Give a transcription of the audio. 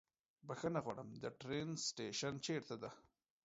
بښنه غواړم، د ټرين سټيشن چيرته ده؟